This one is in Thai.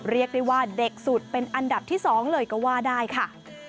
เรียกได้ว่าเด็กสุดเป็นอันดับที่๒เลยก็ว่าได้ค่ะ